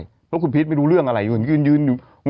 เพราะว่าคุณพีทไม่รู้เรื่องอะไรเพราะคุณยืนยืนยืน